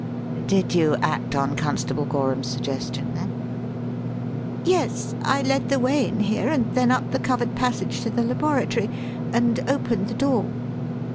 Did you act on Constable Gorham's suggestion, then?" "Yes. I led the way in here and then up the covered passage to the laboratory and opened the door.